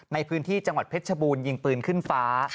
ในพื้นที่จังหวัดเพชรชบูรณยิงปืนขึ้นฟ้า